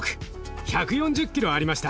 １４０キロありました。